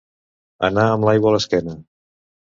Anar amb l'aigua a l'esquena.